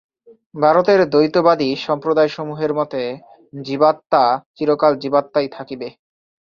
ভারতের দ্বৈতবাদী সম্প্রদায়সমূহের মতে জীবাত্মা চিরকাল জীবাত্মাই থাকিবে।